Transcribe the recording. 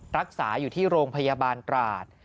รักษาอยู่ที่โรงพยาบาลตราด